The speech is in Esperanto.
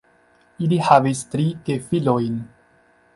Ili havis tri gefilojn.